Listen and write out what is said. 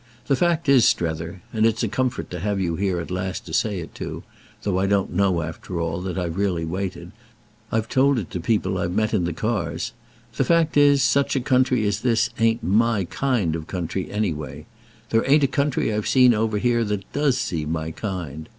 The fact is, Strether—and it's a comfort to have you here at last to say it to; though I don't know, after all, that I've really waited; I've told it to people I've met in the cars—the fact is, such a country as this ain't my kind of country anyway. There ain't a country I've seen over here that does seem my kind.